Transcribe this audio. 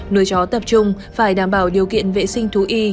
nuôi chó tập trung phải đảm bảo điều kiện vệ sinh thú y